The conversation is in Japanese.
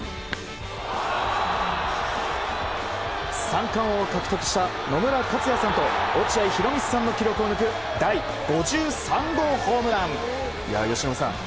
三冠王を獲得した野村克也さんと落合博満さんの記録を抜く第５３号ホームラン。